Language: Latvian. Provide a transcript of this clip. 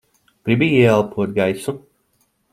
Gribi ieelpot gaisu?